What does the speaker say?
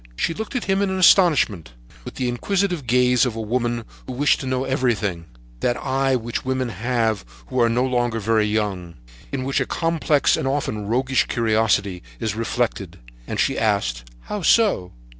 She looked at him in astonishment, with the inquisitive gaze of women who wish to know everything, that eye which women have who are no longer very young,—in which a complex, and often roguish, curiosity is reflected, and she asked: "How so?"